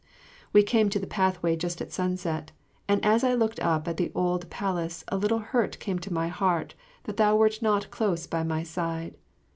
We came to the pathway just at sunset, and as I looked up at the old palace a little hurt came to my heart that thou wert not close by my side.